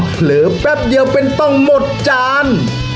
เผลอแป๊บเดียวเป็นต้องหมดจาน